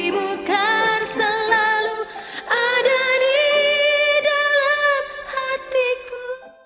bukan selalu ada di dalam hatiku